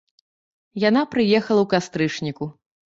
Яна прыехала ў кастрычніку.